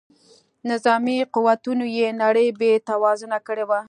نظامي قوتونو یې نړۍ بې توازونه کړې وه.